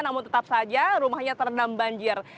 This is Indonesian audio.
namun tetap saja rumahnya terendam banjir